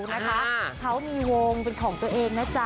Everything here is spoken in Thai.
นะคะเขามีวงเป็นของตัวเองนะจ๊ะ